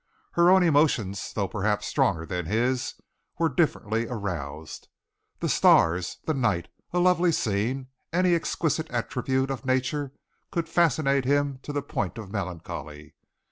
Her own emotions, though perhaps stronger than his, were differently aroused. The stars, the night, a lovely scene, any exquisite attribute of nature could fascinate him to the point of melancholy.